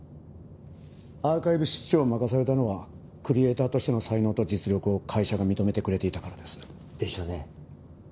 アーカイブ室長を任されたのはクリエイターとしての才能と実力を会社が認めてくれていたからです。でしょうね。